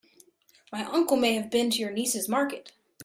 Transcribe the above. My uncle may have been to your niece's market.